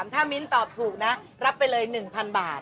ถ้ามิ้นตอบถูกนะรับไปเลย๑๐๐๐บาท